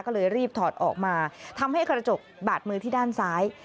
ก็เลยรีบถอดออกมาทำให้กระจกบาดมือที่ด้านซ้าย